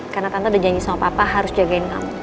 karena tante udah janji sama papa harus jagain kamu